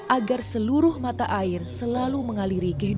agar seluruh mata air selalu mengalirkan air